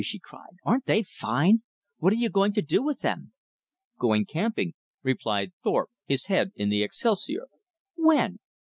she cried, "aren't they fine! What are you going to do with them?" "Going camping," replied Thorpe, his head in the excelsior. "When?"